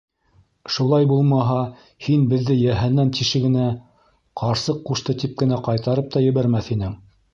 Шулай булмаһа һин беҙҙе йәһәннәм тишегенә, ҡарсыҡ ҡушты тип кенә, ҡайтарып та ебәрмәҫ инең.